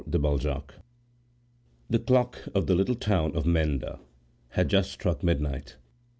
EL VERDUGO The clock of the little town of Menda had just struck midnight.